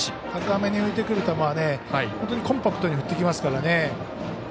高めに浮いてくる球は本当にコンパクトに打ってきますから。